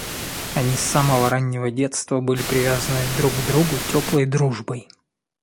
Они с самого раннего детства были привязаны друг к другу теплой дружбой.